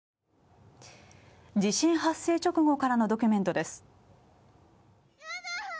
地震発生直後からのドキュメントです。